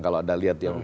kalau ada lihat ya